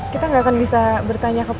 kita gak akan bisa bertanya ke mereka ya